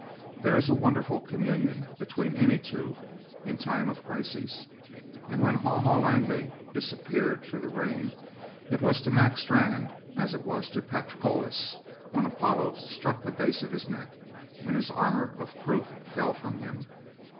There is a wonderful communion between any two in time of crisis; and when Haw Haw Langley disappeared through the rain it was to Mac Strann as it was to Patroclus when Apollo struck the base of his neck and his armour of proof fell from him.